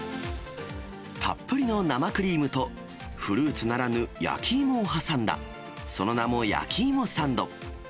たっぷりの生クリームと、フルーツならぬ焼き芋を挟んだ、その名も、焼き芋サンド。